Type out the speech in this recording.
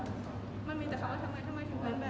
เราคิดด้วยซ้ำว่าเขาจะกลับอยู่แบบนี้